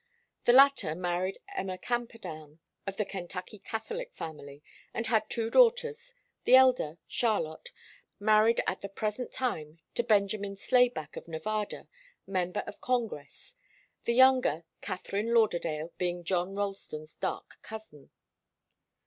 The latter married Emma Camperdown, of the Kentucky Catholic family, and had two daughters, the elder, Charlotte, married at the present time to Benjamin Slayback of Nevada, member of Congress, the younger, Katharine Lauderdale, being John Ralston's dark cousin.